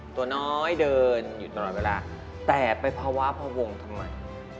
ตัวน้อยเดินอยู่ตลอดเวลาแต่ไปภาวะพวงทำไม